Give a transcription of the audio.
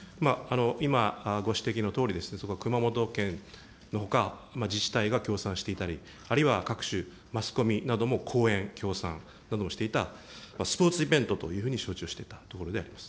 今、ご指摘のとおり、そこは熊本県のほか、自治体が協賛していたり、あるいは各種マスコミなども講演、協賛などをしていたスポーツイベントというふうに承知をしていたところでございます。